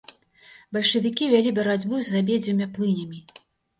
Бальшавікі вялі барацьбу з абедзвюма плынямі.